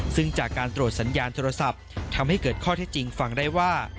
ซึ่งจากการตรวจสัญญาณโทรศัพท์ทำให้เกิดข้อที่จริงฟังได้ว่า